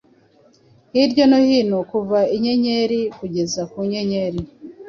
hirya no hino kuva inyenyeri kugeza ku nyenyeri,